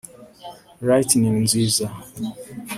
lighting nziza